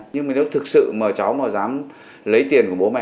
nhưng mà con không ăn cắp